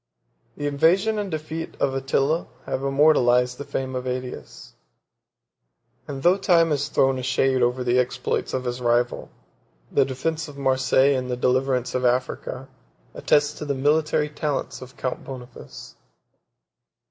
The invasion and defeat of Attila have immortalized the fame of Ætius; and though time has thrown a shade over the exploits of his rival, the defence of Marseilles, and the deliverance of Africa, attest the military talents of Count Boniface.